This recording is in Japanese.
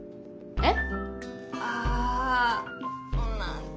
えっ！